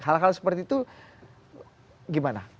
hal hal seperti itu gimana